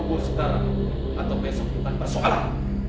kubur sitaran atau besok bukan persoalan